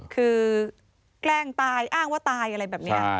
คือแกล้งตายอ้างว่าตายอะไรแบบนี้